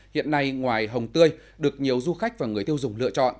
hiện nay ngoài hồng tươi được nhiều du khách và người tiêu dùng lựa chọn